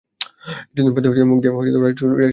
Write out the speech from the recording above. কিছুদিন বাদে মুখে দড়ি দিয়া রাইচরণকে ঘোড়া সাজিতে হইল।